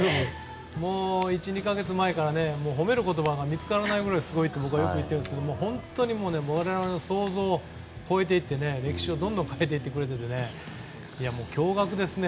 １２か月前から褒める言葉が見つからないぐらいすごいと僕はよく言っているんですけど本当に我々の想像を超えていって歴史をどんどん変えていて驚愕ですね。